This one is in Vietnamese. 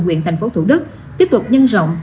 huyện tp thủ đức tiếp tục nhân rộng